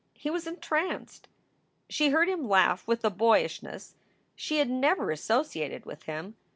He was entranced. She heard him laugh with a boyishness she had never associated with him.